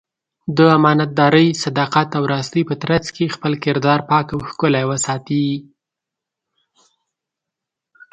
د امانتدارۍ، صداقت او راستۍ په ترڅ کې خپل کردار پاک او ښکلی وساتي.